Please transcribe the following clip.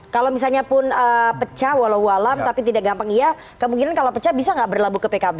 kalau misalnya pun pecah walau alam tapi tidak gampang iya kemungkinan kalau pecah bisa nggak berlabuh ke pkb